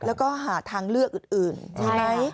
แล้วก็หาทางเลือกอื่นดีไหม